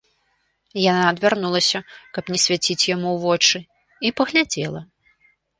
Яна адвярнулася, каб не свяціць яму ў вочы, і паглядзела.